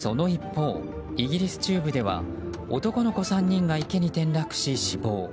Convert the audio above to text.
その一方、イギリス中部では男の子３人が池に転落し死亡。